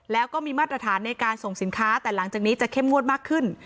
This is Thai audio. แล้วก็มีมาตรฐานในการส่งสินค้าแต่หลังจากนี้จะเข้มงวดมากขึ้น